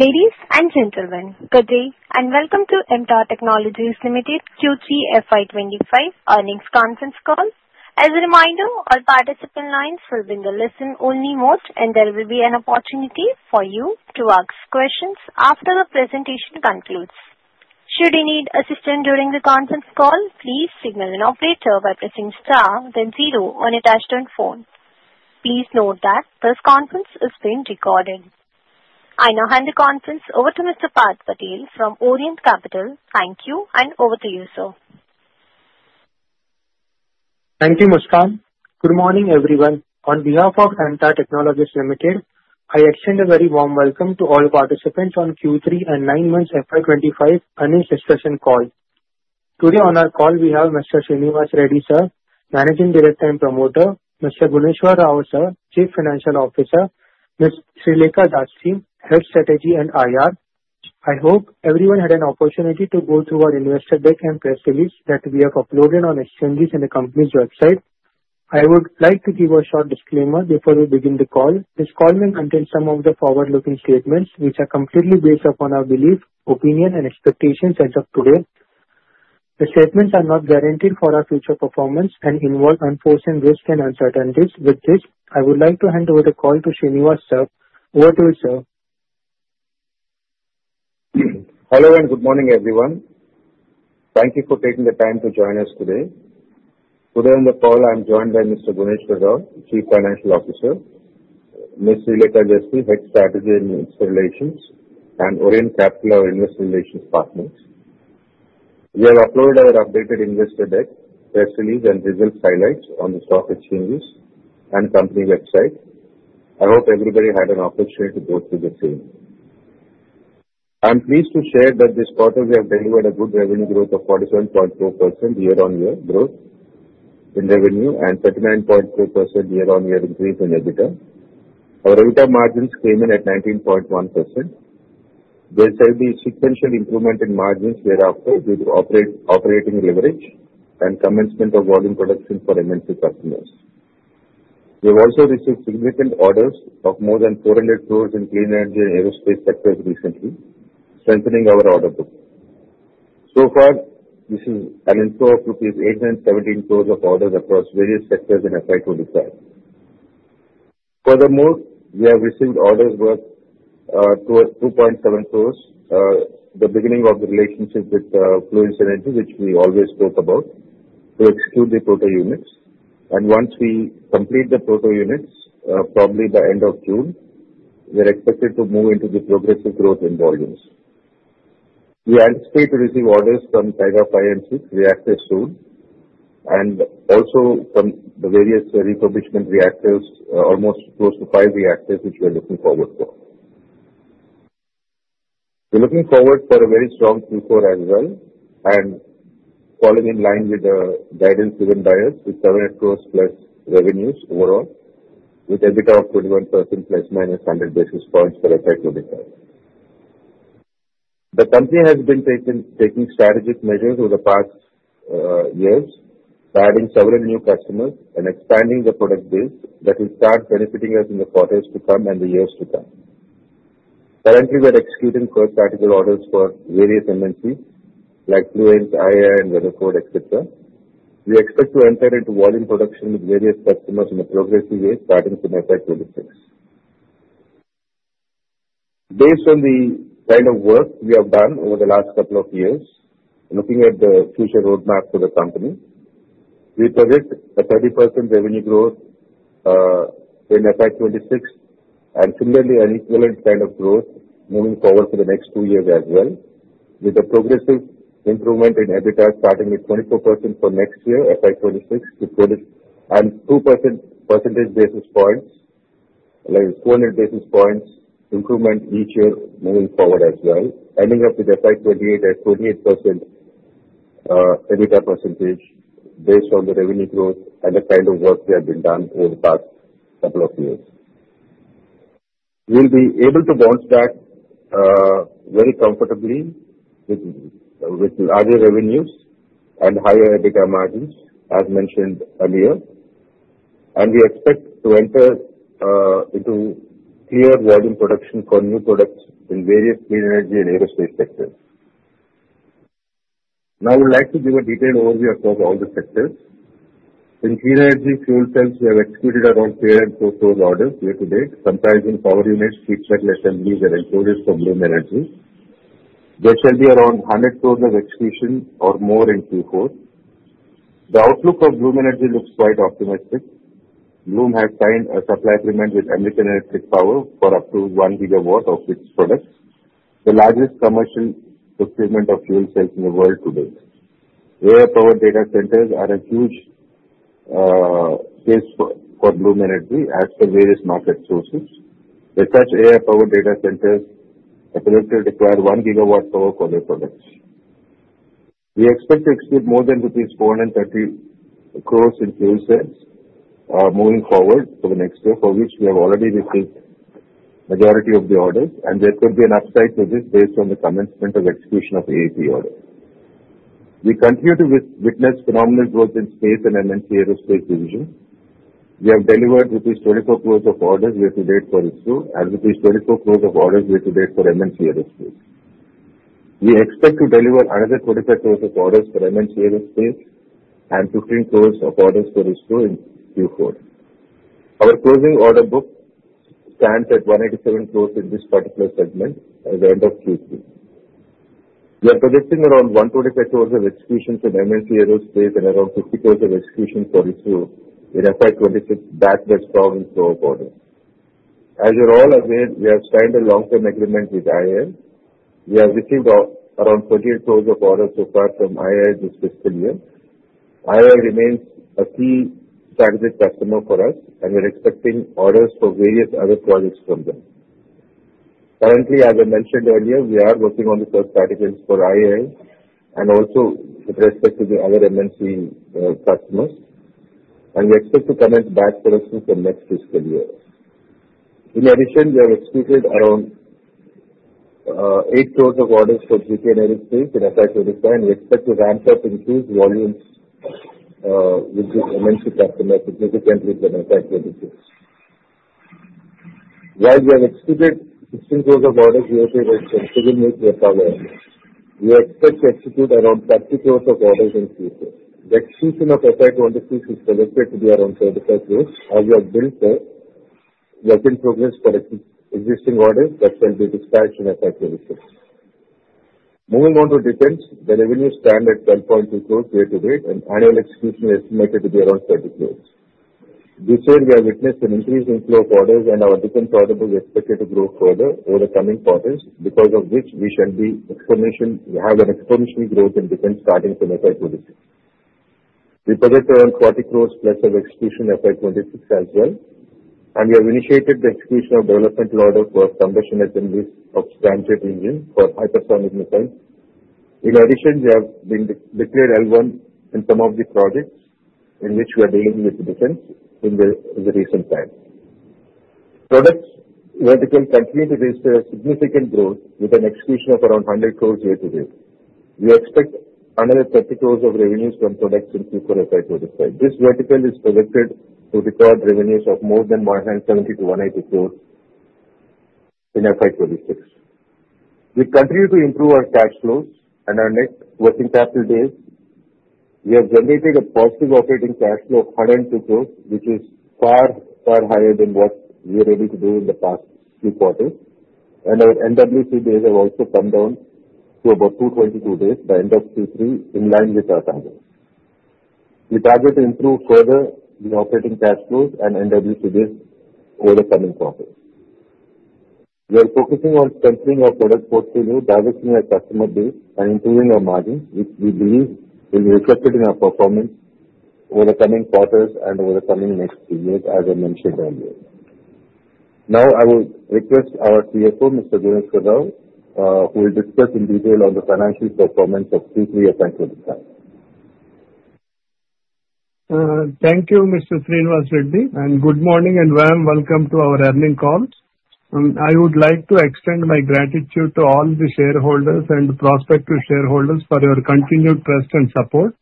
Ladies and gentlemen, good day and welcome to MTAR Technologies Limited Q3 FY25 earnings conference call. As a reminder, all participant lines will be in the listen-only mode, and there will be an opportunity for you to ask questions after the presentation concludes. Should you need assistance during the conference call, please signal an operator by pressing star, then zero on your dashboard phone. Please note that this conference is being recorded. I now hand the conference over to Mr. Parth Patel from Orient Capital. Thank you, and over to you, sir. Thank you, Muskan. Good morning, everyone. On behalf of MTAR Technologies Limited, I extend a very warm welcome to all participants on Q3 and nine months FY25 earnings discussion call. Today on our call, we have Mr. Srinivas Reddy, sir, Managing Director and Promoter; Mr. Gunneswara Rao, sir, Chief Financial Officer; Ms. Srilekha Jasthi, Head Strategy and IR. I hope everyone had an opportunity to go through our investor deck and press release that we have uploaded on Exchanges and the company's website. I would like to give a short disclaimer before we begin the call. Please note that some of the forward-looking statements, which are completely based upon our belief, opinion, and expectations as of today. The statements are not guaranteed for our future performance and involve unforeseen risks and uncertainties. With this, I would like to hand over the call to Srinivas, sir. Over to you, sir. Hello and good morning, everyone. Thank you for taking the time to join us today. Today on the call, I'm joined by Mr. Gunneswara Rao, Chief Financial Officer, Ms. Srilekha Jasthi, Head of Strategy and Investor Relations, and Orient Capital, our Investor Relations Partners. We have uploaded our updated investor deck, press release, and results highlights on the stock exchanges and company website. I hope everybody had an opportunity to go through the same. I'm pleased to share that this quarter we have delivered a good revenue growth of 47.4% year-on-year growth in revenue and 39.4% year-on-year increase in EBITDA. Our EBITDA margins came in at 19.1%. There has been a sequential improvement in margins thereafter due to operating leverage and commencement of volume production for MNC customers. We have also received significant orders of more than 400 crores in clean energy and aerospace sectors recently, strengthening our order book. So far, this is an inflow of rupees 817 crores of orders across various sectors in FY25. Furthermore, we have received orders worth 2.7 crores at the beginning of the relationship with Fluence Energy, which we always spoke about, to exclude the proto units. And once we complete the proto units, probably by the end of June, we are expected to move into the progressive growth in volumes. We anticipate to receive orders from Kaiga 5 & 6 reactors soon, and also from the various refurbishment reactors, almost close to five reactors which we are looking forward to. We're looking forward to a very strong Q4 as well, and following in line with the guidance given by us, with 700 crores plus revenues overall, with EBITDA of 21%±100 basis points for FY25. The company has been taking strategic measures over the past years by adding several new customers and expanding the product base that will start benefiting us in the quarters to come and the years to come. Currently, we are executing first category orders for various MNCs like Fluence, IAI, and Weatherford, etc. We expect to enter into volume production with various customers in a progressive way starting from FY26. Based on the kind of work we have done over the last couple of years, looking at the future roadmap for the company, we project a 30% revenue growth in FY26 and similarly an equivalent kind of growth moving forward for the next two years as well, with a progressive improvement in EBITDA starting with 24% for next year, FY26, and 2% percentage basis points, like 200 basis points improvement each year moving forward as well, ending up with FY28 at 28% EBITDA percentage based on the revenue growth and the kind of work we have been doing over the past couple of years. We'll be able to bounce back very comfortably with larger revenues and higher EBITDA margins, as mentioned earlier, and we expect to enter into clear volume production for new products in various clean energy and aerospace sectors. Now, I would like to give a detailed overview of all the sectors. In clean energy, fuel cells, we have executed around 300 crores orders year to date, comprising power units, heat cycle assemblies, and enclosures for Bloom Energy. There shall be around 100 crores of execution or more in Q4. The outlook of Bloom Energy looks quite optimistic. Bloom has signed a supply agreement with American Electric Power for up to one gigawatt of its products, the largest commercial procurement of fuel cells in the world today. AI-powered data centers are a huge use case for Bloom Energy, as per various market sources. With such AI-powered data centers, a project will require one gigawatt power for their products. We expect to execute more than rupees 430 crores in fuel cells moving forward for the next year, for which we have already received the majority of the orders, and there could be an upside to this based on the commencement of execution of AEP orders. We continue to witness phenomenal growth in space and MNC aerospace division. We have delivered rupees 24 crores of orders year to date for ISRO, and rupees 24 crores of orders year to date for MNC aerospace. We expect to deliver another 25 crores of orders for MNC aerospace and 15 crores of orders for ISRO in Q4. Our closing order book stands at 187 crores in this particular segment at the end of Q3. We are projecting around 125 crores of execution for MNC aerospace and around 50 crores of execution for ISRO in FY26, backed by strong in-store orders. As you're all aware, we have signed a long-term agreement with IAI. We have received around 38 crores of orders so far from IAI this fiscal year. IAI remains a key strategic customer for us, and we are expecting orders for various other projects from them. Currently, as I mentioned earlier, we are working on the first articles for IAI and also with respect to the other MNC customers, and we expect to commence back production for next fiscal year. In addition, we have executed around 8 crores of orders for GKN Aerospace in FY25, and we expect to ramp up increased volumes with this MNC customer significantly from FY26. While we have executed 16 crores of orders year to date from Spirit AeroSystems, we expect to execute around 30 crores of orders in Q4. The execution of FY26 is projected to be around 35 crores, as we have built there. We are in progress for existing orders that shall be dispatched in FY26. Moving on to defense, the revenue stands at 12.2 crores year to date, and annual execution is estimated to be around 30 crores. This year, we have witnessed an increase in flow of orders, and our defense order book is expected to grow further over the coming quarters, because of which we shall have an exponential growth in defense starting from FY26. We project around 40 crores plus of execution FY26 as well, and we have initiated the execution of developmental orders for combustion assemblies of scramjet engines for hypersonic missiles. In addition, we have been declared L1 in some of the projects in which we are dealing with defense in the recent times. Products vertical continues to register significant growth with an execution of around 100 crores year to date. We expect another 30 crores of revenues from products in Q4 FY25. This vertical is projected to record revenues of more than 170-180 crores in FY26. We continue to improve our cash flows and our net working capital days. We have generated a positive operating cash flow of 102 crores, which is far, far higher than what we were able to do in the past few quarters, and our NWC days have also come down to about 222 days by end of Q3, in line with our target. We target to improve further the operating cash flows and NWC days over the coming quarters. We are focusing on strengthening our product portfolio, diversifying our customer base, and improving our margins, which we believe will be reflected in our performance over the coming quarters and over the coming next few years, as I mentioned earlier. Now, I will request our CFO, Mr. Gunneswara Rao, who will discuss in detail on the financial performance of Q3 FY25. Thank you, Mr. Srinivas Reddy, and good morning, and warm welcome to our earnings call. I would like to extend my gratitude to all the shareholders and prospective shareholders for your continued trust and support.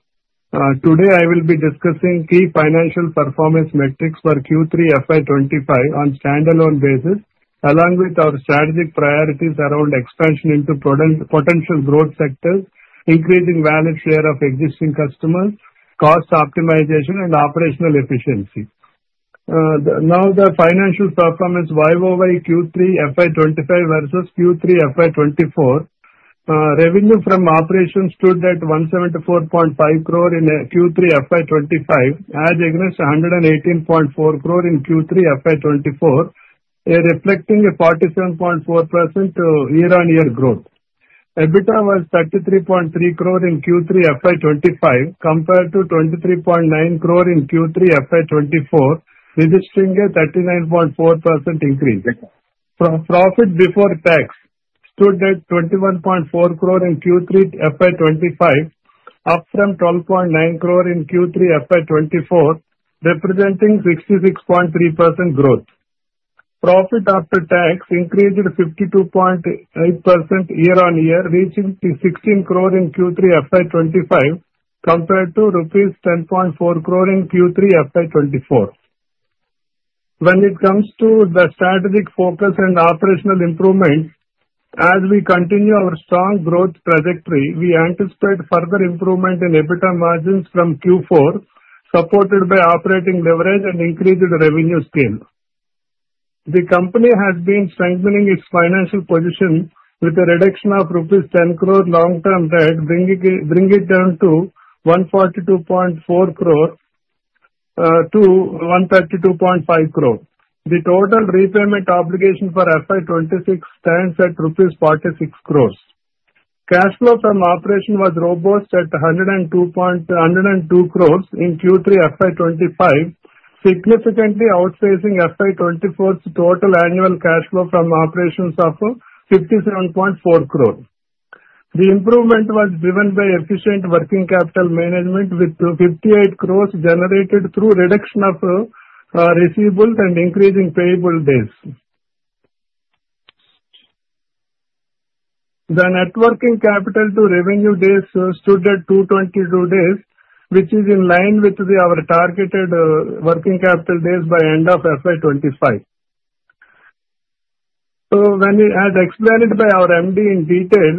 Today, I will be discussing key financial performance metrics for Q3 FY25 on a standalone basis, along with our strategic priorities around expansion into potential growth sectors, increasing value share of existing customers, cost optimization, and operational efficiency. Now, the financial performance YoY Q3 FY25 versus Q3 FY24. Revenue from operations stood at 174.5 crore in Q3 FY25, as against 118.4 crore in Q3 FY24, reflecting a 47.4% year-on-year growth. EBITDA was 33.3 crore in Q3 FY25, compared to 23.9 crore in Q3 FY24, registering a 39.4% increase. Profit before tax stood at 21.4 crore in Q3 FY25, up from 12.9 crore in Q3 FY24, representing 66.3% growth. Profit after tax increased 52.8% year-on-year, reaching 16 crore in Q3 FY25, compared to rupees 10.4 crore in Q3 FY24. When it comes to the strategic focus and operational improvements, as we continue our strong growth trajectory, we anticipate further improvement in EBITDA margins from Q4, supported by operating leverage and increased revenue scale. The company has been strengthening its financial position with a reduction of rupees 10 crore long-term debt, bringing it down to 142.4 crore-132.5 crore. The total repayment obligation for FY26 stands at rupees 46 crore. Cash flow from operations was robust at 102 crores in Q3 FY25, significantly outpacing FY24's total annual cash flow from operations of crore. The improvement was driven by efficient working capital management, with 58 crores generated through reduction of receivables and increase in payable days. The net working capital to revenue days stood at 222 days, which is in line with our targeted working capital days by end of FY25. So, as explained by our MD in detail,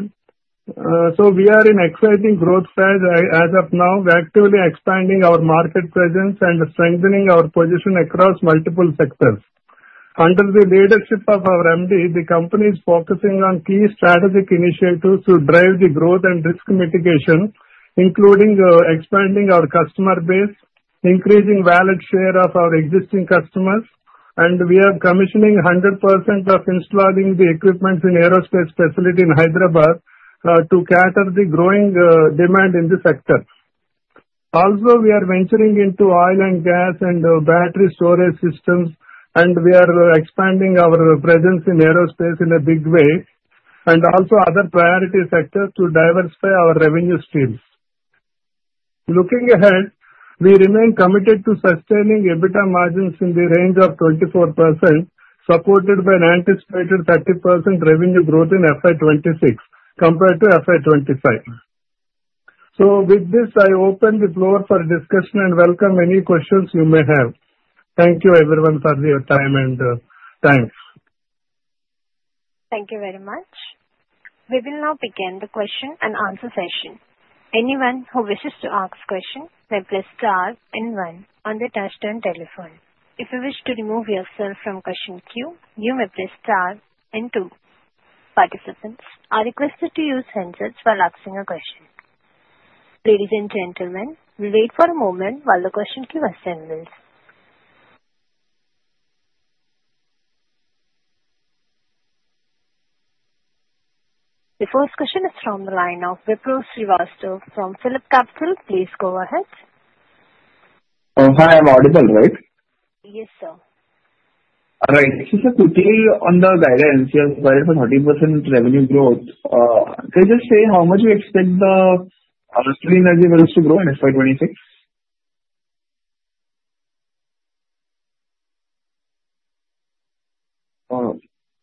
we are in exciting growth phase as of now, actively expanding our market presence and strengthening our position across multiple sectors. Under the leadership of our MD, the company is focusing on key strategic initiatives to drive the growth and risk mitigation, including expanding our customer base, increasing value share of our existing customers, and we are commissioning 100% of installing the equipment in the aerospace facility in Hyderabad to cater to the growing demand in the sector. Also, we are venturing into oil and gas and battery storage systems, and we are expanding our presence in aerospace in a big way, and also other priority sectors to diversify our revenue streams. Looking ahead, we remain committed to sustaining EBITDA margins in the range of 24%, supported by an anticipated 30% revenue growth in FY26 compared to FY25. So, with this, I open the floor for discussion and welcome any questions you may have. Thank you, everyone, for your time and thanks. Thank you very much. We will now begin the question and answer session. Anyone who wishes to ask a question may press star one on the touch-tone telephone. If you wish to remove yourself from question queue, you may press star two. Participants are requested to use handsets while asking a question. Ladies and gentlemen, we'll wait for a moment while the question queue is handled. The first question is from the line of Vipraw Srivastava from PhillipCapital. Please go ahead. Hi, I'm audible, right? Yes, sir. All right. It's just a quick one on the guidance. You have quoted for 30% revenue growth. Can you just say how much you expect the industrial energy valves to grow in FY26?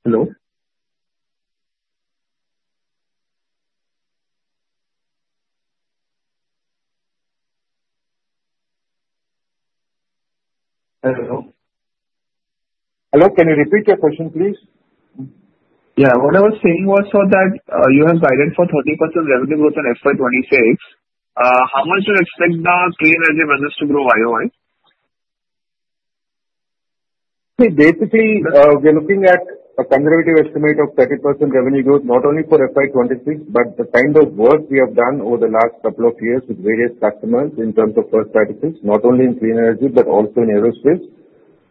Hello? Hello, can you repeat your question, please? Yeah, what I was saying was that you have guided for 30% revenue growth in FY26. How much do you expect the clean energy valves to grow YoY? Basically, we're looking at a conservative estimate of 30% revenue growth, not only for FY26, but the kind of work we have done over the last couple of years with various customers in terms of first articles, not only in clean energy but also in aerospace.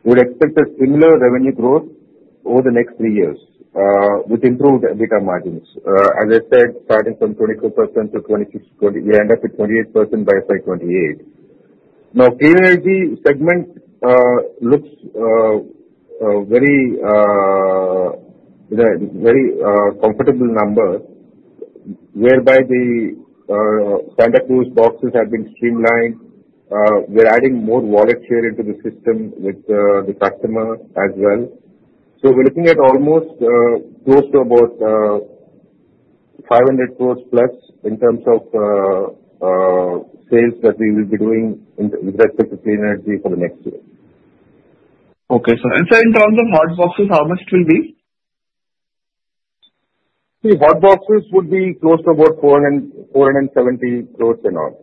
We would expect a similar revenue growth over the next three years with improved EBITDA margins. As I said, starting from 22%-26%, we end up with 28% by FY28. Now, clean energy segment looks very comfortable numbers, whereby the hot boxes have been streamlined. We're adding more wallet share into the system with the customer as well. So, we're looking at almost close to about 500 crores plus in terms of sales that we will be doing with respect to clean energy for the next year. Okay, sir. And sir, in terms of hot boxes, how much will be? See, Hot Boxes would be close to about 470 crores and up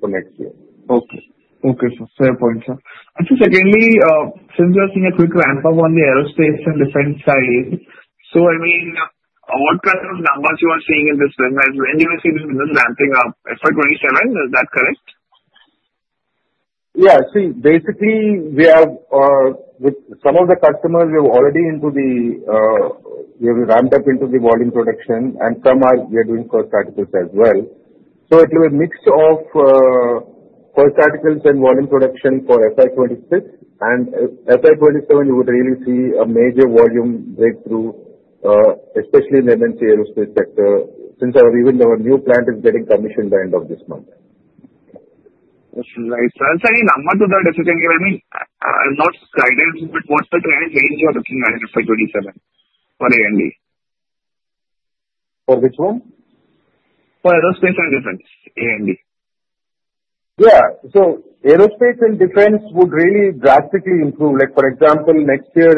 for next year. Okay. Okay, sir. Fair point, sir. Actually, secondly, since we are seeing a quick ramp-up on the aerospace and defense side, so, I mean, what kind of numbers you are seeing in this business? When you see this business ramping up, FY27, is that correct? Yeah, see, basically, we have some of the customers who are already into the ramp-up into the volume production, and some we are doing first articles as well. So, it will be a mix of first articles and volume production for FY26 and FY27. You would really see a major volume breakthrough, especially in the MNC aerospace sector, since even our new plant is getting commissioned by the end of this month. That's nice. And sir, the number for the division here, I mean, I'm not guiding, but what's the trend range you are looking at in FY27 for A&D? For which one? For Aerospace and Defense, A&D. Yeah, so Aerospace and Defense would really drastically improve. Like, for example, next year,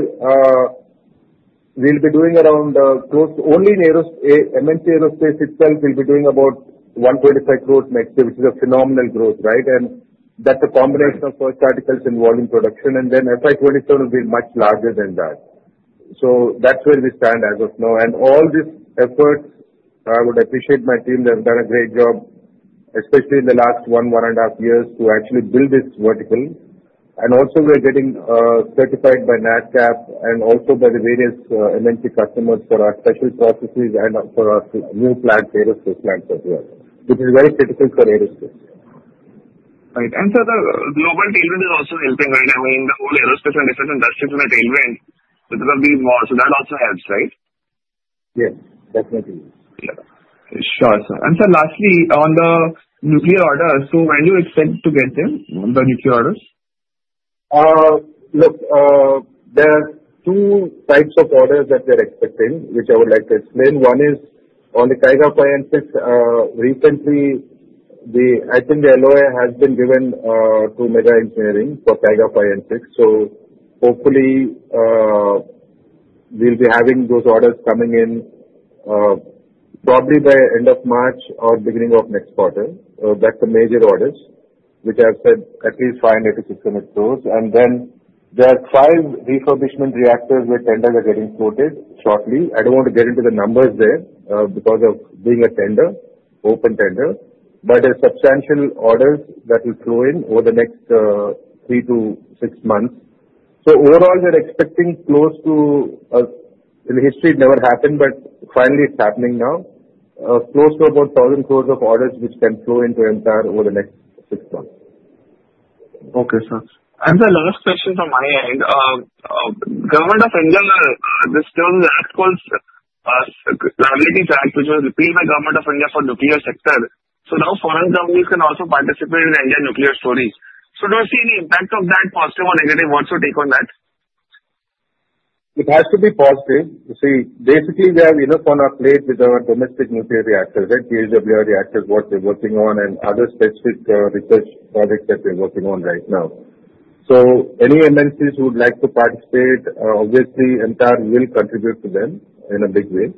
we'll be doing around close only in MNC aerospace itself, we'll be doing about 125 crores next year, which is a phenomenal growth, right? And that's a combination of first articles and volume production, and then FY27 will be much larger than that. So, that's where we stand as of now. And all these efforts, I would appreciate my team that have done a great job, especially in the last one and a half years, to actually build this vertical. And also, we are getting certified by Nadcap and also by the various MNC customers for our special processes and for our new plants, aerospace plants as well, which is very critical for aerospace. Right. And sir, the global tailwind is also helping, right? I mean, the whole aerospace and defense industry is in a tailwind because of these wars, so that also helps, right? Yes, definitely. Sure, sir. And sir, lastly, on the nuclear orders, so when do you expect to get them, the nuclear orders? Look, there are two types of orders that we are expecting, which I would like to explain. One is on the Kaiga 5 & 6. Recently, I think the LOA has been given to Megha Engineering for Kaiga 5 & 6. So, hopefully, we'll be having those orders coming in probably by end of March or beginning of next quarter. That's the major orders, which I've said at least 500-600 crores. And then there are five refurbishment reactors where tenders are getting floated shortly. I don't want to get into the numbers there because of being a tender, open tender, but there are substantial orders that will flow in over the next three to six months. So, overall, we're expecting close to, in history, it never happened, but finally, it's happening now, close to about 1,000 crores of orders which can flow into MTAR over the next six months. Okay, sir, and the last question from my end. Government of India, there's still the Liability Act, which was repealed by the Government of India for nuclear sector, so now foreign companies can also participate in India's nuclear sector, so do you see any impact of that, positive or negative? What's your take on that? It has to be positive. You see, basically, we have on our plate with our domestic nuclear reactors, right? PHWR reactors, what we're working on, and other specific research projects that we're working on right now. So, any MNCs who would like to participate, obviously, MTAR will contribute to them in a big way.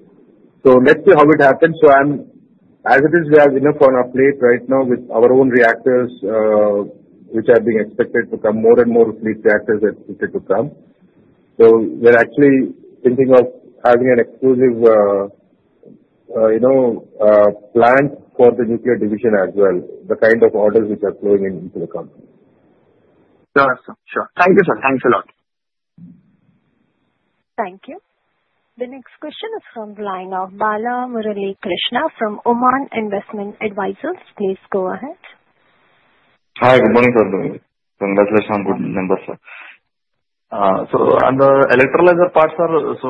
So, let's see how it happens. So, as it is, we have on our plate right now with our own reactors, which are being expected to come more and more reactors are expected to come. So, we're actually thinking of having an exclusive plant for the nuclear division as well, the kind of orders which are flowing into the company. Sure, sir. Sure. Thank you, sir. Thanks a lot. Thank you. The next question is from the line of Balamurali Krishnan from Oman Investment Advisors. Please go ahead. Hi, good morning to everybody. Congratulations on good numbers, sir. So, on the electrolyzer parts, sir, so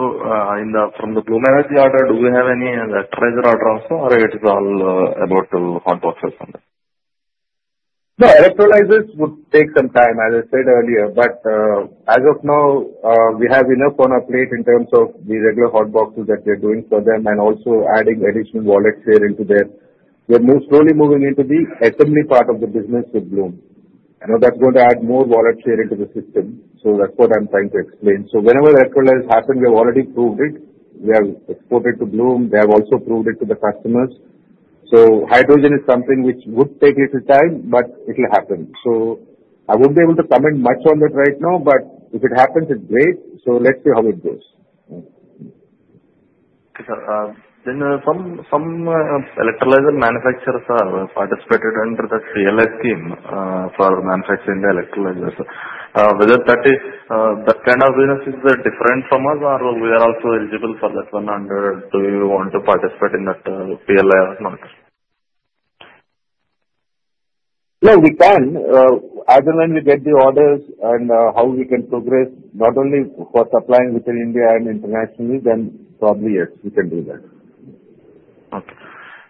from the Fluence Energy order, do we have any electrolyzer order also, or it is all about hot boxes? No, electrolyzers would take some time, as I said earlier. But as of now, we have enough on our plate in terms of the regular hot boxes that we are doing for them and also adding additional wallet share into there. We are slowly moving into the assembly part of the business with Bloom. That's going to add more wallet share into the system. So, that's what I'm trying to explain. So, whenever electrolyzers happen, we have already proved it. We have exported to Bloom. They have also proved it to the customers. So, hydrogen is something which would take a little time, but it will happen. So, I won't be able to comment much on that right now, but if it happens, it's great. So, let's see how it goes. Some electrolyzer manufacturers, sir, participated under that PLI scheme for manufacturing the electrolyzers. Whether that kind of business is different from us, or we are also eligible for that one? Do you want to participate in that PLI or not? No, we can. Other than we get the orders and how we can progress, not only for supplying within India and internationally, then probably, yes, we can do that. Okay.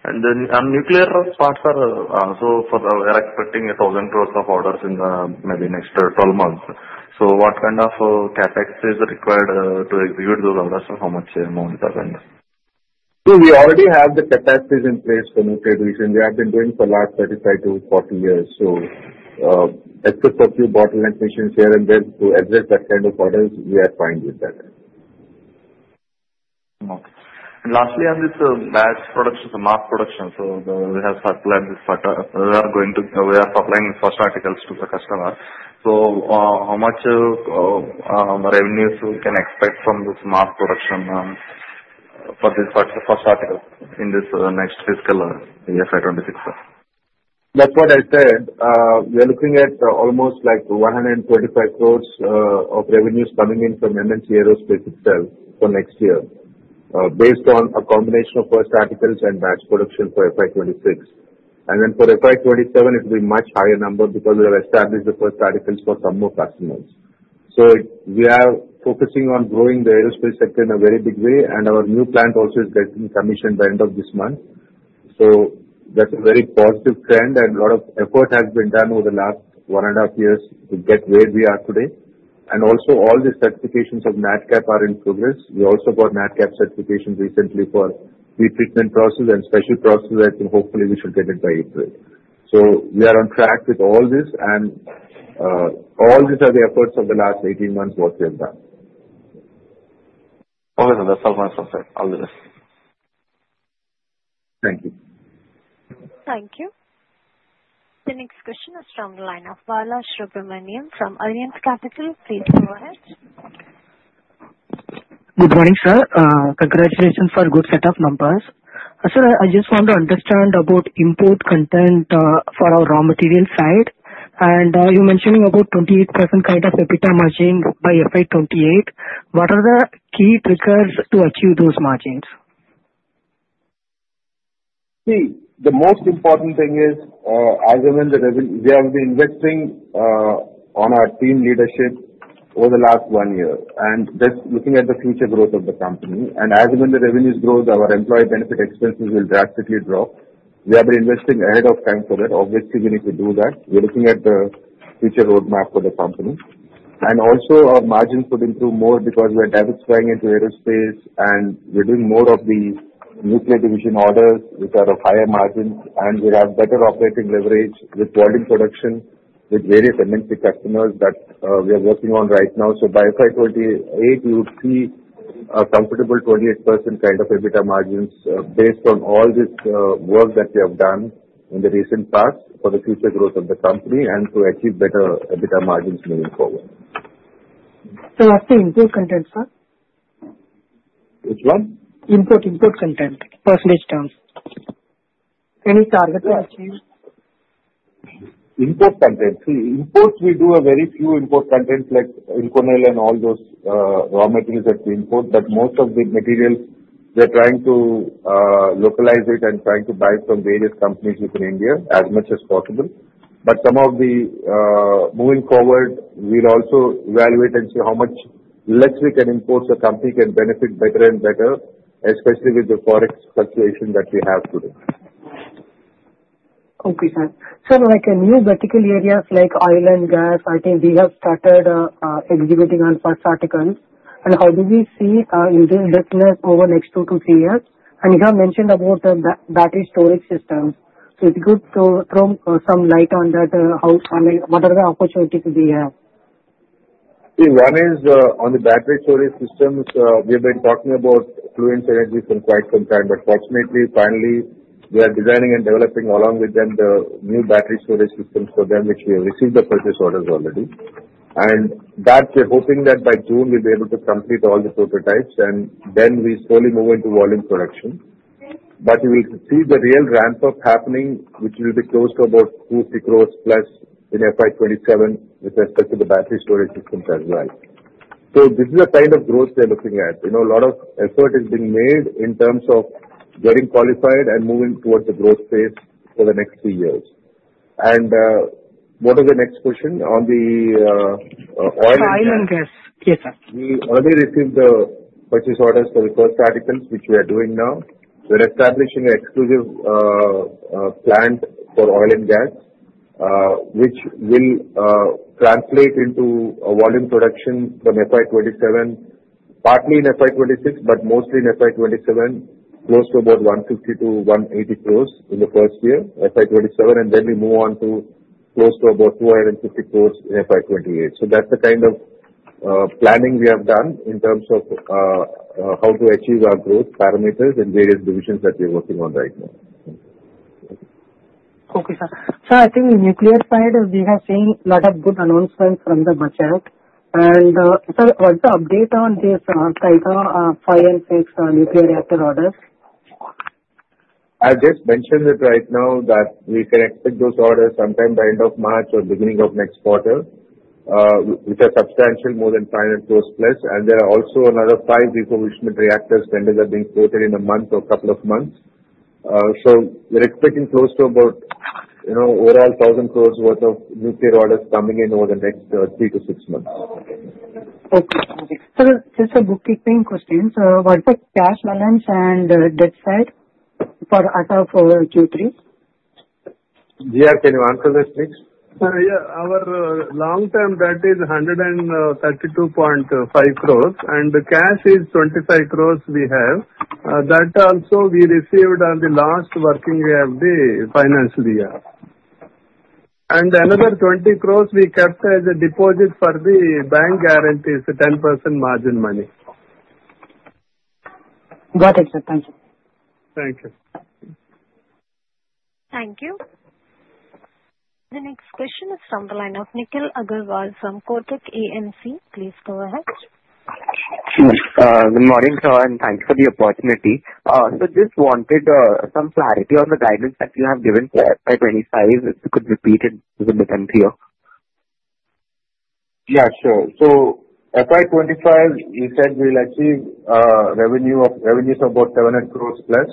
And then on nuclear parts, sir, so we are expecting INR 1,000 crores of orders in maybe next 12 months. So, what kind of CapEx is required to execute those orders? How much amount of it? We already have the CapExes in place for nuclear division. We have been doing for the last 35-40 years. Except for a few bottleneck machines here and there, to address that kind of orders, we are fine with that. Okay. Lastly, on this mass production, so we have supplied, we are supplying the first articles to the customer. How much revenues can we expect from this mass production for these first articles in this next fiscal year FY26? That's what I said. We are looking at almost like 125 crores of revenues coming in from MNC aerospace itself for next year, based on a combination of first articles and batch production for FY26, and then for FY27, it will be a much higher number because we have established the first articles for some more customers, so we are focusing on growing the aerospace sector in a very big way, and our new plant also is getting commissioned by the end of this month. That's a very positive trend, and a lot of effort has been done over the last one and a half years to get where we are today, and also, all the certifications of Nadcap are in progress. We also got Nadcap certification recently for pre-treatment processes and special processes, and hopefully, we should get it by April. We are on track with all this, and all these are the efforts of the last 18 months what we have done. Okay, sir. That's all my thoughts, sir. I'll do this. Thank you. Thank you. The next question is from the line of Balasubramanian from Arihant Capital. Please go ahead. Good morning, sir. Congratulations for a good set of numbers. Sir, I just want to understand about input content for our raw material side. And you're mentioning about 28% kind of EBITDA margin by FY28. What are the key triggers to achieve those margins? See, the most important thing is, as I mentioned, we have been investing in our team leadership over the last one year, and that's looking at the future growth of the company. As the revenues grow, our employee benefit expenses will drastically drop. We have been investing ahead of time for that. Obviously, we need to do that. We're looking at the future roadmap for the company. Also, our margins could improve more because we are diversifying into aerospace, and we're doing more of the nuclear division orders, which are of higher margins. We have better operating leverage with volume production with various MNC customers that we are working on right now. So, by FY28, you would see a comfortable 28% kind of EBITDA margins based on all this work that we have done in the recent past for the future growth of the company and to achieve better EBITDA margins moving forward. What's the input content, sir? Which one? Input, input content, percentage terms. Any target to achieve? Input content. See, inputs. We do very few input content like Inconel and all those raw materials that we import. But most of the materials, we are trying to localize it and trying to buy from various companies within India as much as possible. But some of the moving forward, we'll also evaluate and see how much less we can import so the company can benefit better and better, especially with the forex fluctuation that we have today. Okay, sir. So, like a new vertical area like oil and gas, I think we have started exhibiting on first articles. And how do we see in this business over next two to three years? And you have mentioned about the battery storage systems. So, it's good to throw some light on that. What are the opportunities we have? See, one is on the battery storage systems. We have been talking about Fluence Energy for quite some time, but fortunately, finally, we are designing and developing along with them the new battery storage systems for them, which we have received the purchase orders already. And that, we're hoping that by June, we'll be able to complete all the prototypes, and then we slowly move into volume production. But we will see the real ramp-up happening, which will be close to about 250 crores plus in FY27 with respect to the battery storage systems as well. So, this is the kind of growth we are looking at. A lot of effort is being made in terms of getting qualified and moving towards the growth phase for the next three years. And what is the next question on the oil and gas? Oil and gas. Yes, sir. We already received the purchase orders for the first articles, which we are doing now. We are establishing an exclusive plant for oil and gas, which will translate into volume production from FY27, partly in FY26, but mostly in FY27, close to about 150-180 crores in the first year, FY27, and then we move on to close to about 250 crores in FY28, so that's the kind of planning we have done in terms of how to achieve our growth parameters in various divisions that we are working on right now. Okay, sir. Sir, I think the nuclear side, we have seen a lot of good announcements from the budget, and sir, what's the update on this Kaiga 5 & 6 nuclear reactor orders? I've just mentioned it right now that we can expect those orders sometime by end of March or beginning of next quarter, which are substantial, more than 500 crores plus. And there are also another five refurbishment reactors pending that are being floated in a month or a couple of months. So, we're expecting close to about overall 1,000 crores worth of nuclear orders coming in over the next three to six months. Okay. Sir, just a bookkeeping question. What's the cash balance and debt side for Q3? GR, can you answer this, please? Yeah. Our long-term debt is 132.5 crores, and the cash is 25 crores we have. That also, we received on the last working day of the financial year, and another 20 crores we kept as a deposit for the bank guarantees, the 10% margin money. Got it, sir. Thank you. Thank you. Thank you. The next question is from the line of Nikhil Agarwal from Kotak AMC. Please go ahead. Good morning, sir, and thanks for the opportunity. Sir, just wanted some clarity on the guidance that you have given for FY25. If you could repeat it, it would be very helpful. Yeah, sure. So, FY25, you said we will achieve revenues of about 700 crores plus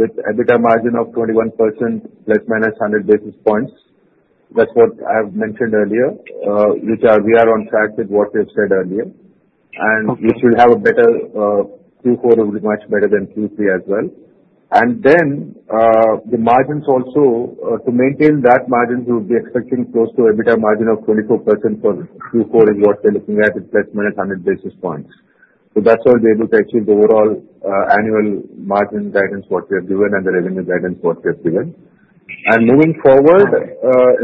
with EBITDA margin of 21% plus minus 100 basis points. That's what I've mentioned earlier, which we are on track with what we have said earlier. And we should have a better Q4, much better than Q3 as well. And then the margins also, to maintain that margin, we would be expecting close to EBITDA margin of 24% for Q4 is what we're looking at, plus minus 100 basis points. So, that's how we'll be able to achieve the overall annual margin guidance what we have given and the revenue guidance what we have given. Moving forward,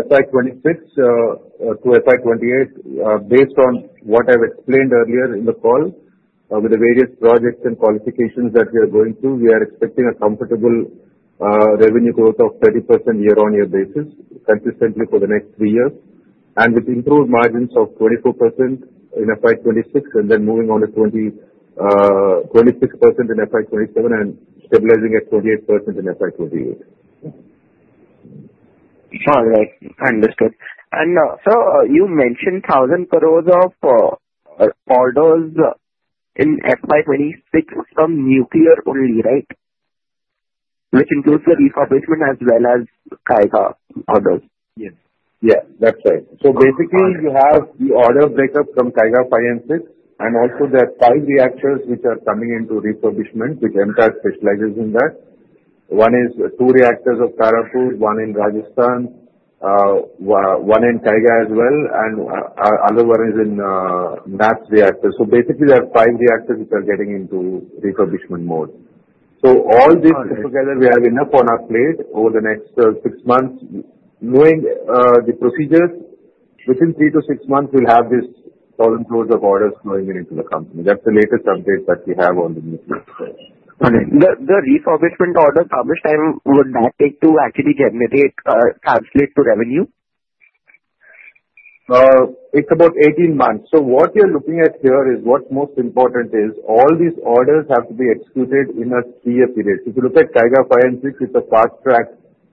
FY26 to FY28, based on what I've explained earlier in the call, with the various projects and qualifications that we are going through, we are expecting a comfortable revenue growth of 30% year-on-year basis, consistently for the next three years, and with improved margins of 24% in FY26, and then moving on to 26% in FY27 and stabilizing at 28% in FY28. Sure. Understood. And sir, you mentioned 1,000 crores of orders in FY26 from nuclear only, right? Which includes the refurbishment as well as Kaiga orders. Yes. Yeah, that's right. So, basically, you have the order breakup from Kaiga 5 & 6, and also there are five reactors which are coming into refurbishment, which MTAR specializes in that. One is two reactors of Tarapur, one in Rajasthan, one in Kaiga as well, and another one is in MAPS reactors. So, basically, there are five reactors which are getting into refurbishment mode. So, all these together, we have enough on our plate over the next six months. Knowing the procedures, within three to six months, we'll have these INR 1,000 crores of orders flowing into the company. That's the latest update that we have on the nuclear side. The refurbishment order, what time would that take to actually translate to revenue? It's about 18 months. So, what we are looking at here is what's most important is all these orders have to be executed in a three-year period. If you look at Kaiga 5 & 6, it's a fast-track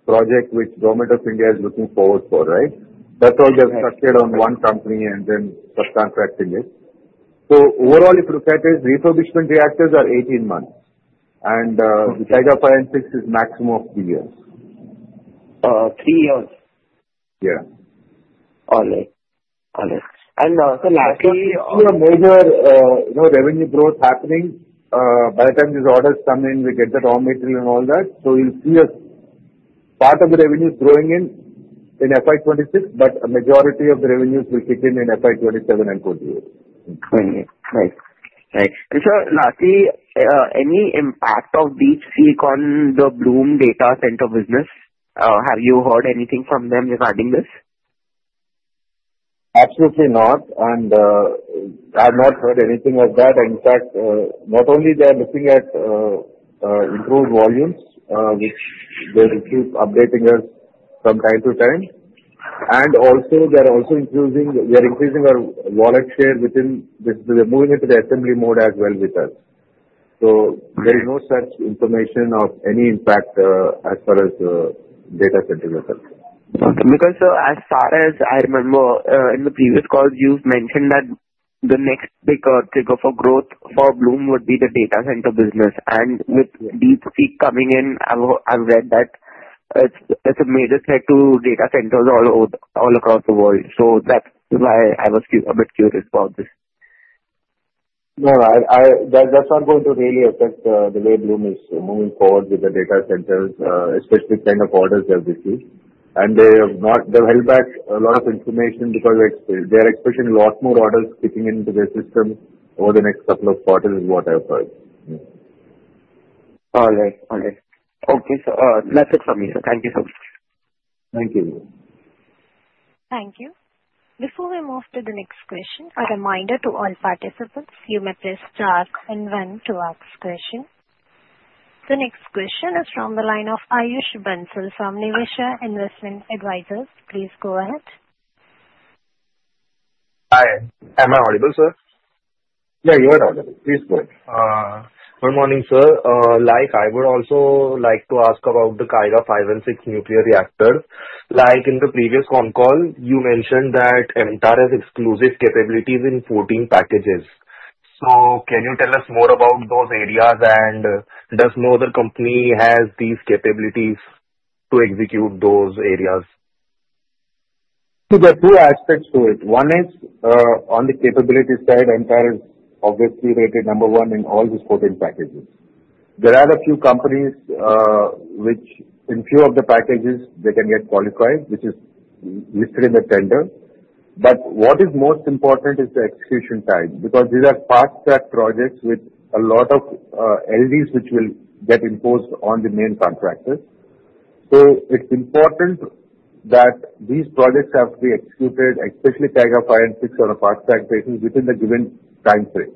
project which the government of India is looking forward for, right? That's how they're structured on one company and then subcontracting it. So, overall, if you look at it, refurbishment reactors are 18 months, and the Kaiga 5 & 6 is maximum of three years. Three years. Yeah. All right. All right, and sir, lastly. We see a major revenue growth happening by the time these orders come in. We get the raw material and all that. So, you'll see a part of the revenues growing in FY26, but a majority of the revenues will kick in in FY27 and FY28. 28. Nice. Nice. And sir, lastly, any impact of DeepSeek on the Bloom Data Center business? Have you heard anything from them regarding this? Absolutely not. And I've not heard anything of that. And in fact, not only they are looking at improved volumes, which they will keep updating us from time to time. And also, they are increasing our wallet share within this moving into the assembly mode as well with us. So, there is no such information of any impact as far as data centers are concerned. Because, sir, as far as I remember, in the previous calls, you've mentioned that the next big trigger for growth for Bloom would be the data center business. And with DeepSeek coming in, I've read that it's a major threat to data centers all across the world. So, that's why I was a bit curious about this. No, that's not going to really affect the way Bloom is moving forward with the data centers, especially the kind of orders they have received. And they've held back a lot of information because they are expecting a lot more orders kicking into their system over the next couple of quarters, is what I've heard. All right. All right. Okay, sir. That's it from me, sir. Thank you so much. Thank you. Thank you. Before we move to the next question, a reminder to all participants, you may press star, then one, to ask a question. The next question is from the line of Ayush Bansal from Niveshaay Investment Advisors. Please go ahead. Hi. Am I audible, sir? Yeah, you are audible. Please go ahead. Good morning, sir. I would also like to ask about the Kaiga units 5 & 6 nuclear reactor. In the previous phone call, you mentioned that MTAR has exclusive capabilities in 14 packages. So, can you tell us more about those areas? And does no other company have these capabilities to execute those areas? So, there are two aspects to it. One is, on the capability side, MTAR is obviously rated number one in all these 14 packages. There are a few companies which, in a few of the packages, they can get qualified, which is listed in the tender. But what is most important is the execution time because these are fast-track projects with a lot of LVs which will get imposed on the main contractors. So, it's important that these projects have to be executed, especially Kaiga 5 & 6 on a fast-track basis within the given time frame.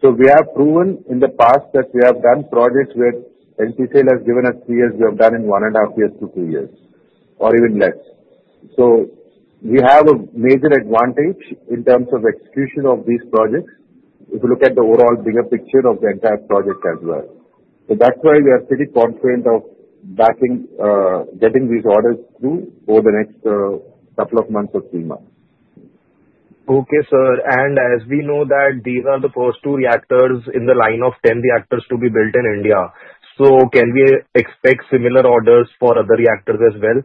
So, we have proven in the past that we have done projects where NPCIL has given us three years, we have done in one and a half years to two years or even less. So, we have a major advantage in terms of execution of these projects if you look at the overall bigger picture of the entire project as well. So, that's why we are pretty confident of getting these orders through over the next couple of months or three months. Okay, sir. And as we know that these are the first two reactors in the line of 10 reactors to be built in India. So, can we expect similar orders for other reactors as well?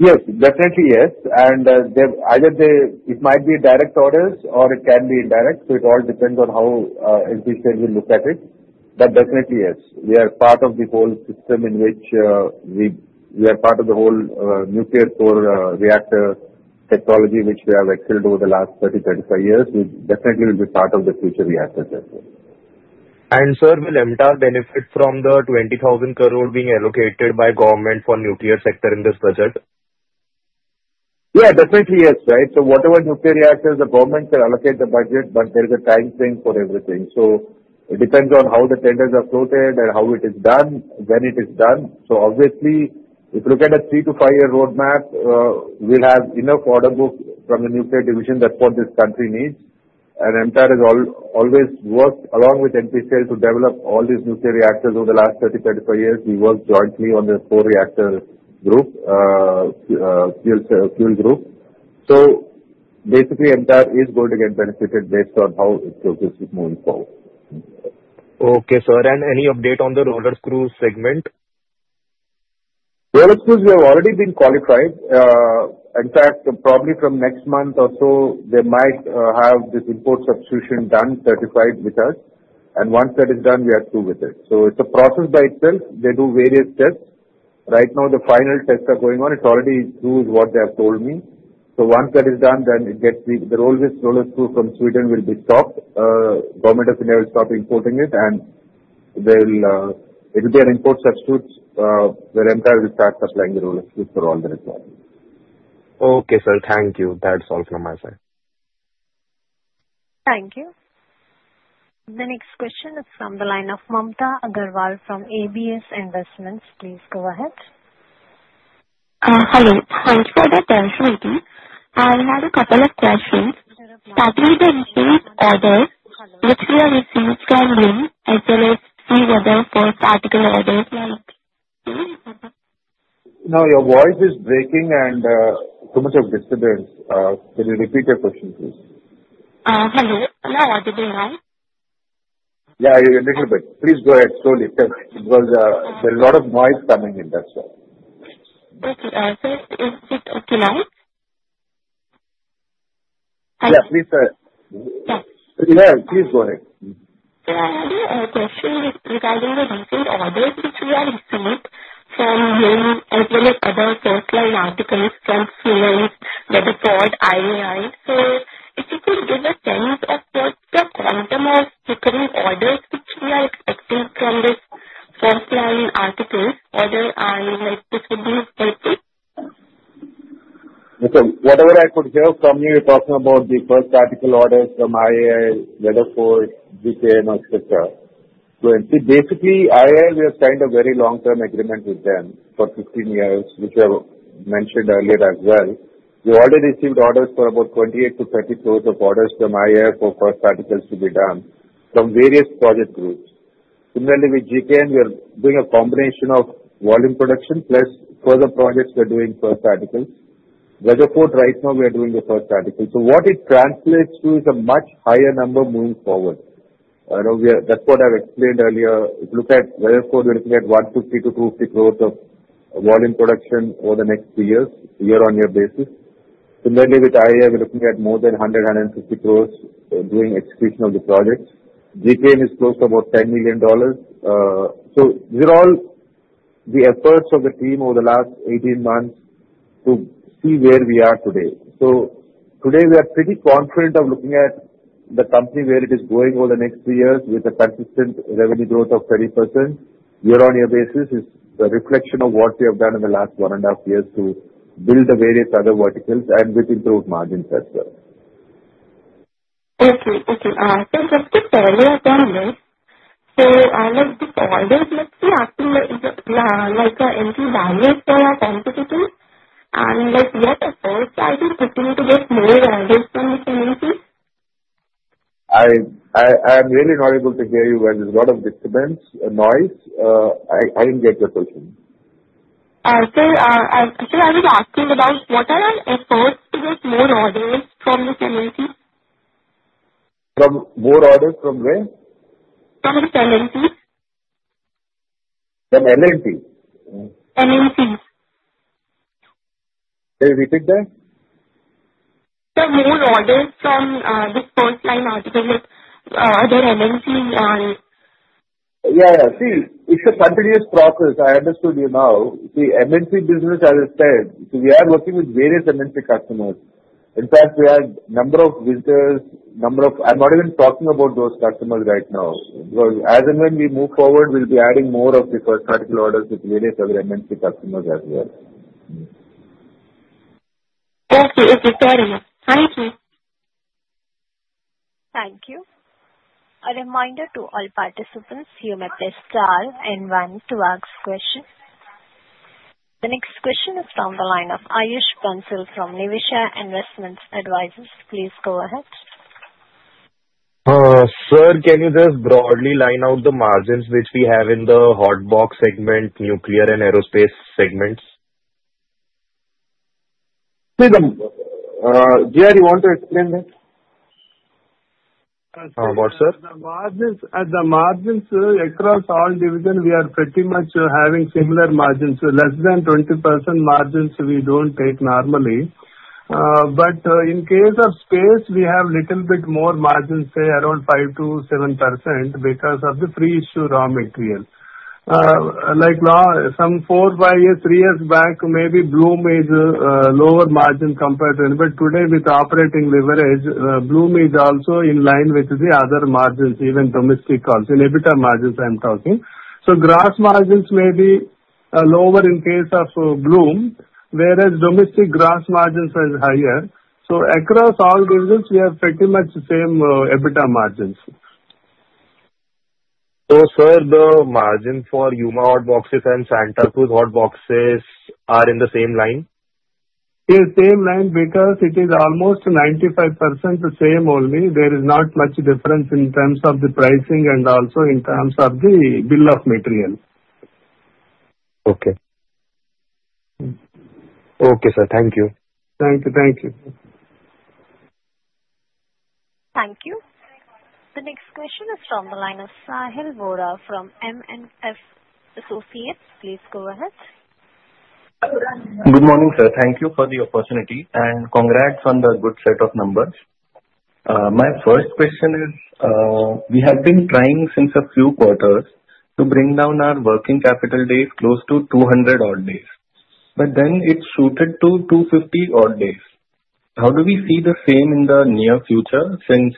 Yes, definitely yes, and either it might be direct orders or it can be indirect, so it all depends on how NPCIL will look at it, but definitely yes. We are part of the whole system in which we are part of the whole nuclear core reactor technology, which we have excelled over the last 30-35 years. We definitely will be part of the future reactor sector. Sir, will MTAR benefit from the 20,000 crore being allocated by government for nuclear sector in this budget? Yeah, definitely yes, right? So, whatever nuclear reactors, the government can allocate the budget, but there is a time frame for everything. It depends on how the tenders are floated and how it is done, when it is done. Obviously, if you look at a 3- to 5-year roadmap, we'll have enough order books from the nuclear division that what this country needs. MTAR has always worked along with NPCIL to develop all these nuclear reactors over the last 30, 35 years. We worked jointly on the core reactor group, fuel group. Basically, MTAR is going to get benefited based on how it proceeds moving forward. Okay, sir. And any update on the roller screw segment? Roller screws have already been qualified. In fact, probably from next month or so, they might have this import substitution done certified with us. And once that is done, we are through with it. So, it's a process by itself. They do various tests. Right now, the final tests are going on. It's already through with what they have told me. So, once that is done, then the roller screw from Sweden will be stopped. Government of India will stop importing it. And if they are import substitutes, then MTAR will start supplying the roller screws for all the requirements. Okay, sir. Thank you. That's all from my side. Thank you. The next question is from the line of Mamta Agarwal from ABS Investments. Please go ahead. Hello. Thanks for the opportunity. I had a couple of questions. Have you been seeing orders which we have received from Bloom as well as from Fluence for first article orders like? No, your voice is breaking and too much of disturbance. Can you repeat your question, please? Hello. Now, are you there now? Yeah, a little bit. Please go ahead. Slowly. Because there's a lot of noise coming in, that's why. Okay. Sir, is it okay now? Yeah, please. Yes. Yeah, please go ahead. I have a question regarding the nuclear orders which we have received from Bloom as well as other first articles from Sweden, better called IAI. So, if you could give a sense of what the quantum of nuclear orders which we are expecting from this first articles order, this would be helpful? Okay. Whatever I could hear from you, you're talking about the first article orders from IAI, Weatherford, GKN, etc. So, basically, IAI, we have signed a very long-term agreement with them for 15 years, which I mentioned earlier as well. We already received orders for about 28-30 crores of orders from IAI for first articles to be done from various project groups. Similarly, with GKN, we are doing a combination of volume production plus further projects we're doing first articles. Weatherford, right now, we are doing the first articles. So, what it translates to is a much higher number moving forward. That's what I've explained earlier. If you look at Weatherford, we're looking at 150-250 crores of volume production over the next three years, year-on-year basis. Similarly, with IAI, we're looking at more than 100-150 crores doing execution of the projects. GKN is close to about $10 million. So, these are all the efforts of the team over the last 18 months to see where we are today. So, today, we are pretty confident of looking at the company where it is going over the next three years with a consistent revenue growth of 30% year-on-year basis is a reflection of what we have done in the last one and a half years to build the various other verticals and with improved margins as well. Okay. Sir, just to follow up on this. These orders are like an entry value for our competitors. What efforts are you putting in to get more value from the customer? I am really not able to hear you. There's a lot of disturbance, noise. I didn't get your question. Sir, I was asking about what are our efforts to get more orders from the community? From more orders from where? From MNCs. From L&P? MNC. Can you repeat that? Sir, more orders from this first articles other MNC? Yeah, yeah. See, it's a continuous process. I understood you now. See, MNC business, as I said, we are working with various MNC customers. In fact, we have a number of visitors. I'm not even talking about those customers right now. Because as and when we move forward, we'll be adding more of the first article orders with various other MNC customers as well. Okay. Okay. Fair enough. Thank you. Thank you. A reminder to all participants, you may press star, then 1 to ask a question. The next question is from the line of Ayush Bansal from Niveshaay Investment Advisors. Please go ahead. Sir, can you just broadly lay out the margins which we have in the hot box segment, nuclear and aerospace segments? GR, you want to explain that? What, sir? At the margins, across all divisions, we are pretty much having similar margins. Less than 20% margins we don't take normally. But in case of space, we have a little bit more margins, say around 5%-7% because of the free-issue raw material. Like some four, five years, three years back, maybe Bloom is lower margin compared to it. But today, with operating leverage, Bloom is also in line with the other margins, even domestic margins, in EBITDA margins I'm talking. So, gross margins may be lower in case of Bloom, whereas domestic gross margins are higher. So, across all divisions, we have pretty much the same EBITDA margins. Sir, the margin for Yuma hot boxes and Santa Cruz hot boxes are in the same line? Yes, same line because it is almost 95% the same only. There is not much difference in terms of the pricing and also in terms of the bill of material. Okay. Okay, sir. Thank you. Thank you. Thank you. Thank you. The next question is from the line of Sahil Vohra from MNF Associates. Please go ahead. Good morning, sir. Thank you for the opportunity and congrats on the good set of numbers. My first question is, we have been trying since a few quarters to bring down our working capital days close to 200 odd days. But then it's shifted to 250 odd days. How do we see the same in the near future since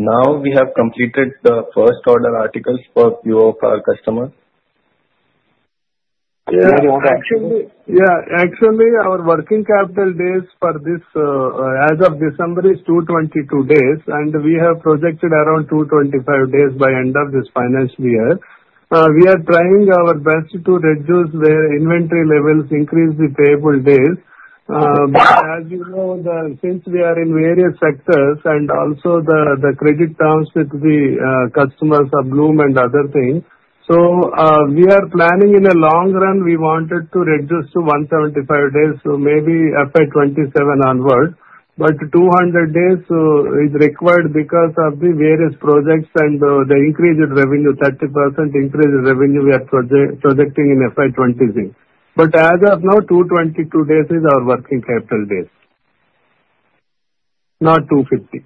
now we have completed the first articles for a few of our customers? Yeah, actually, our working capital days for this, as of December, is 222 days. And we have projected around 225 days by end of this financial year. We are trying our best to reduce their inventory levels, increase the payable days. As you know, since we are in various sectors and also the credit terms with the customers of Bloom and other things, so we are planning in the long run, we wanted to reduce to 175 days, maybe FY27 onward. But 200 days is required because of the various projects and the increased revenue, 30% increased revenue we are projecting in FY26. But as of now, 222 days is our working capital days, not 250.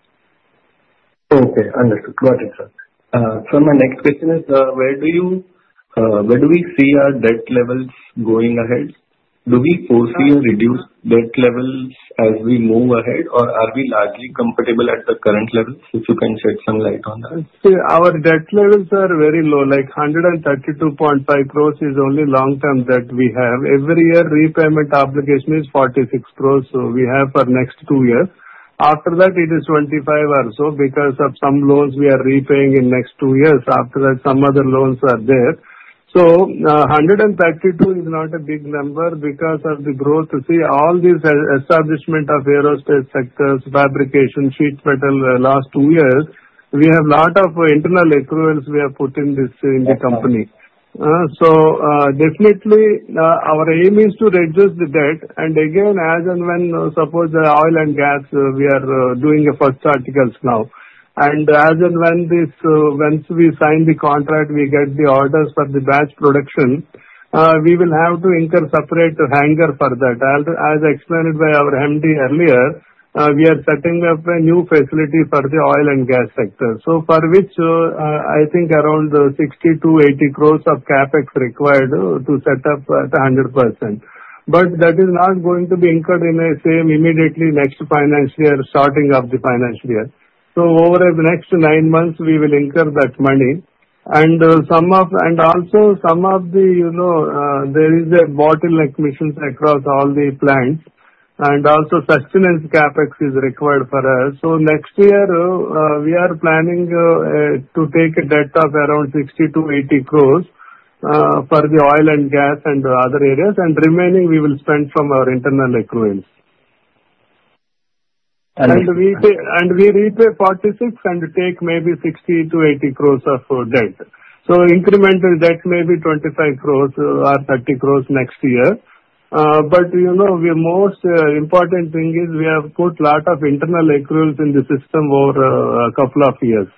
Okay. Understood. Got it, sir. Sir, my next question is, where do we see our debt levels going ahead? Do we foresee or reduce debt levels as we move ahead, or are we largely comfortable at the current levels? If you can shed some light on that. Our debt levels are very low, like 132.5 crores is only long-term debt we have. Every year, repayment obligation is 46 crores we have for next two years. After that, it is 25 or so because of some loans we are repaying in next two years. After that, some other loans are there. So, 132 is not a big number because of the growth. See, all this establishment of aerospace sectors, fabrication, sheet metal last two years, we have a lot of internal accruals we have put in this in the company. So, definitely, our aim is to reduce the debt. And again, as and when, suppose the oil and gas, we are doing the first articles now. As and when we sign the contract, we get the orders for the batch production. We will have to incur a separate hangar for that. As explained by our MD earlier, we are setting up a new facility for the oil and gas sector. So, for which, I think around 60-80 crores of CapEx is required to set up at 100%. But that is not going to be incurred in the same immediately next financial year starting of the financial year. So, over the next nine months, we will incur that money. And also, some of the there is a bottleneck missions across all the plants. And also, sustenance CapEx is required for us. So, next year, we are planning to take a debt of around 60-80 crores for the oil and gas and other areas. And remaining, we will spend from our internal accruals. And we repay 46 crores and take maybe 60-80 crores of debt. So, incremental debt may be 25 crores or 30 crores next year. But the most important thing is we have put a lot of internal accruals in the system over a couple of years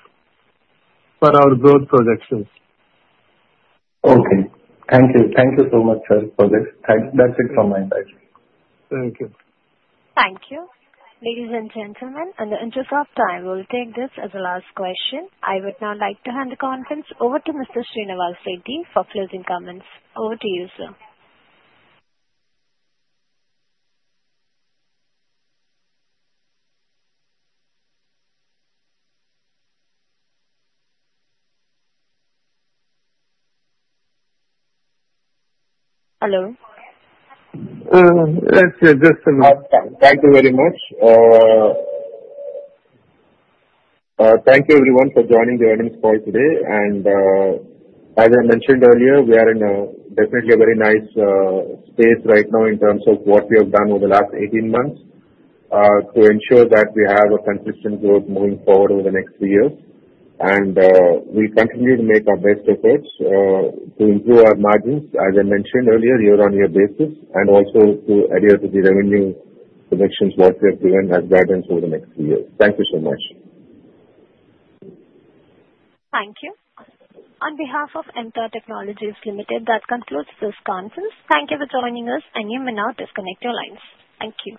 for our growth projections. Okay. Thank you. Thank you so much, sir, for this. That's it from my side. Thank you. Thank you. Ladies and gentlemen, in the interest of time, we'll take this as a last question. I would now like to hand the conference over to Mr. Srinivas Reddy for closing comments. Over to you, sir. Hello. That's it. Just a minute. Thank you very much. Thank you, everyone, for joining the earnings call today, and as I mentioned earlier, we are indeed in a very nice space right now in terms of what we have done over the last 18 months to ensure that we have a consistent growth moving forward over the next three years, and we continue to make our best efforts to improve our margins, as I mentioned earlier, year-on-year basis, and also to adhere to the revenue predictions what we have given as guidance over the next three years. Thank you so much. Thank you. On behalf of MTAR Technologies Limited, that concludes this conference. Thank you for joining us, and you may now disconnect your lines. Thank you.